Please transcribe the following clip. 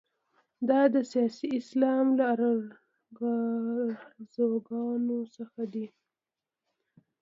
دا د سیاسي اسلام له ارزوګانو څخه دي.